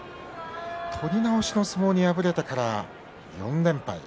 取り直しの相撲に敗れてから４連敗。